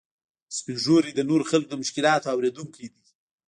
سپین ږیری د نورو خلکو د مشکلاتو اورېدونکي دي